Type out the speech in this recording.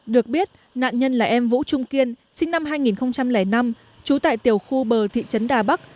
được biết nạn nhân là em vũ trung kiên sinh năm hai nghìn năm trú tại tiểu khu bờ thị trấn đà bắc